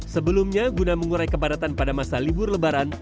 sebelumnya guna mengurai kepadatan pada masa libur lebaran